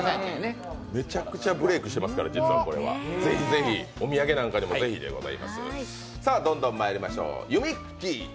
めちゃくちゃブレークしてますからお土産にもぜひでございます。